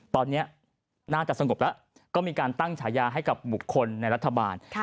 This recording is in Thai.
ตอนนี้น่าจะสงบแล้วก็มีการตั้งฉายาให้กับบุคคลในรัฐบาล